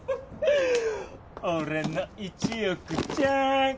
俺の１億ちゃん。